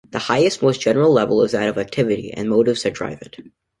The highest, most general level is that of "activity" and "motives" that drive it.